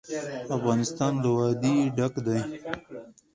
افغانستان له وادي ډک دی.